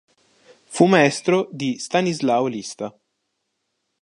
Fu maestro di Stanislao Lista.